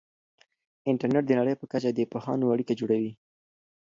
انټرنیټ د نړۍ په کچه د پوهانو اړیکه جوړوي.